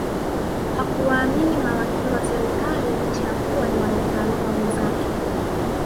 Hakuwaamini mawakili wa serikali licha ya kuwa ni wanataaluma wenzake